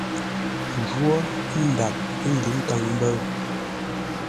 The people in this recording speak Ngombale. Jwó ndap ə́ ngʉ́ nkaŋ-mbə̂ʉ.